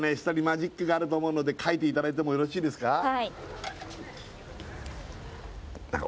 下にマジックがあると思うので書いていただいてもよろしいですか？